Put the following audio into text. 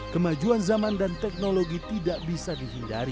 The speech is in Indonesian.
kemajuan zaman dan teknologi tidak bisa dihindari